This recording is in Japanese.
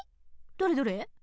どれどれ。